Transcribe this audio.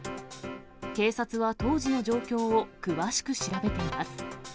警察は、当時の状況を詳しく調べています。